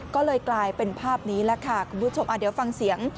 ก็เลยกลายเป็นภาพนี้แหละค่ะคุณผู้ชมเดี๋ยวฟังเสียง